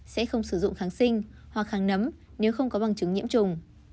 sẽ không sử dụng kháng sinh hoặc kháng nấm nếu không có bằng chứng nhiễm trùng